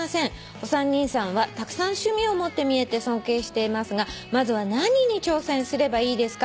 「お三人さんはたくさん趣味を持ってみえて尊敬していますがまずは何に挑戦すればいいですか？」